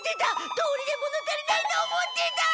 どうりで物足りないと思ってた！